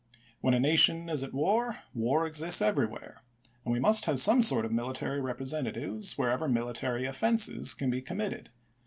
When a nation is at war, war exists everywhere, and we must have some sort of military representatives wherever military offenses can be committed.